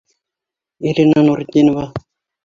Ирина НУРЕТДИНОВА